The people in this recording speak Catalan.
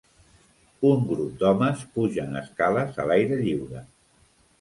Un grup d'homes pugen escales a l'aire lliure